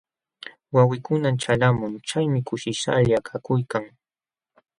Wawinkunam ćhalqamun, chaymi kushishqalla kakuykan.